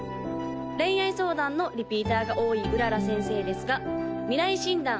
恋愛相談のリピーターが多い麗先生ですが未来診断